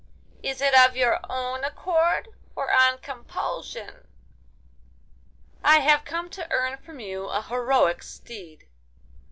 Is it of your own accord, or on compulsion?' 'I have come to earn from you an heroic steed.